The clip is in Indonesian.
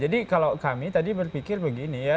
jadi kalau kami tadi berpikir begini ya